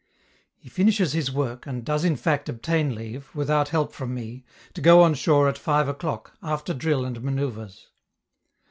He finishes his work, and does in fact obtain leave, without help from me, to go on shore at five o'clock, after drill and manoeuvres.